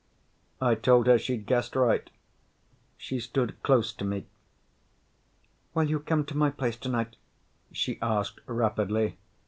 I told her she'd guessed right. She stood close to me. "Will you come to my place tonight?" she asked rapidly.